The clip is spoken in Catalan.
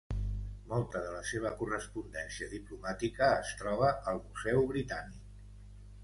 Molta de la seva correspondència diplomàtica es troba al Museu Britànic.